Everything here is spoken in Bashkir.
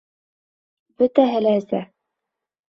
Бөтәһе лә эсә.